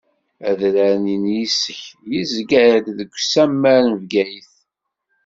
Adrar n Yisek yezga-d deg usammar n Bgayet.